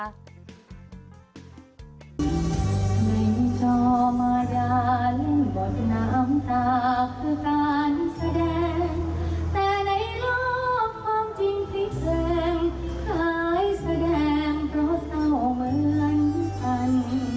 ความจริงที่แสงคล้ายแสดงเพราะเธอเหมือนล้านพัน